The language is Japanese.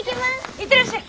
行ってらっしゃい。